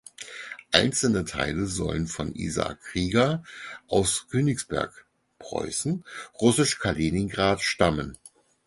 Einzelne Teil sollen von Isaak Riga aus Königsberg (Preußen) (russisch "Kaliningrad") stammen.